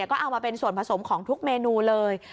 ก็เอามาเป็นส่วนผสมของทุกเมนูเลย